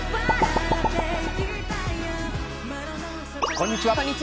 こんにちは。